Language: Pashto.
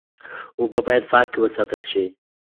اوبه باید پاکې وساتل شي.